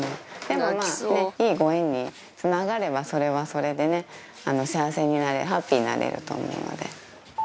でもまぁねっいいご縁につながればそれはそれでね幸せにハッピーになれると思うので。